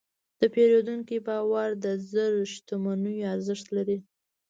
د پیرودونکي باور د زر شتمنیو ارزښت لري.